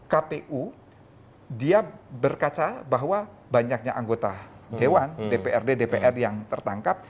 kpu dia berkaca bahwa banyaknya anggota dewan dprd dpr yang tertangkap